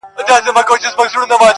سړي وویل ستا ورور صدراعظم دئ-